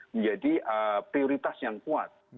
menjadi prioritas yang kuat